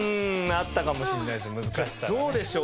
どうでしょう？